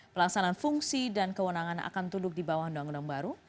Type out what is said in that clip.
pelaksanaan fungsi dan kewenangan akan duduk di bawah undang undang baru